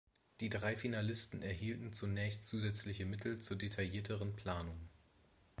Die drei Finalisten erhielten zunächst zusätzliche Mittel zur detaillierteren Planung.